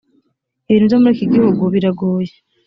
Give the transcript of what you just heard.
ibintu byo muri iki gihugu biragoye